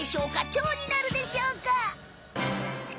チョウになるでしょうか？